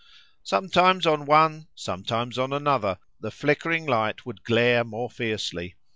Sometimes on one, sometimes on another, the flickering light would glare more fiercely.